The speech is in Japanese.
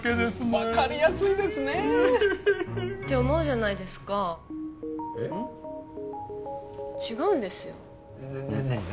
分かりやすいですねって思うじゃないですか違うんですよ何が？